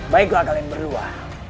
baiklah kalian berdua